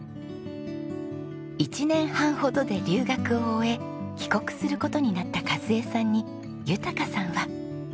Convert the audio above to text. １年半ほどで留学を終え帰国する事になった和枝さんに豊さんは。